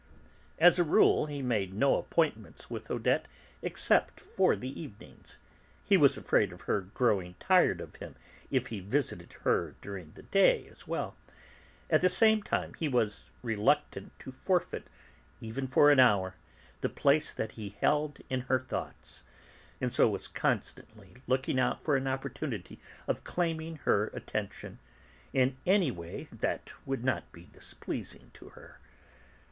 As a rule he made no appointments with Odette except for the evenings; he was afraid of her growing tired of him if he visited her during the day as well; at the same time he was reluctant to forfeit, even for an hour, the place that he held in her thoughts, and so was constantly looking out for an opportunity of claiming her attention, in any way that would not be displeasing to her.